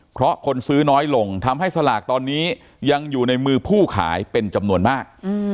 เพราะคนซื้อน้อยลงทำให้สลากตอนนี้ยังอยู่ในมือผู้ขายเป็นจำนวนมาก